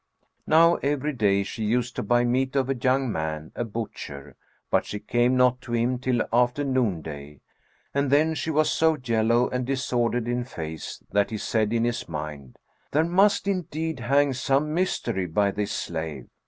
Now, every day, she used to buy meat of a young man, a butcher, but she came not to him till after noonday; and then she was so yellow and disordered in face that he said in his mind, "There must indeed hang some mystery by this slave."